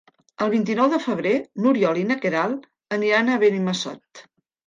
El vint-i-nou de febrer n'Oriol i na Queralt aniran a Benimassot.